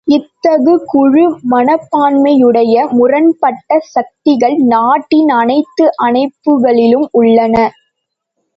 இத்தகு குழு மனப்பான்மையுடைய முரண்பட்ட சக்திகள் நாட்டின் அனைத்து அமைப்புகளிலும் உள்ளன.